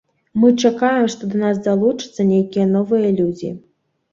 Мы чакаем, што да нас далучацца нейкія новыя людзі.